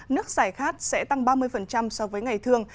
nước giải khát sẽ tăng ba mươi so với ngày thường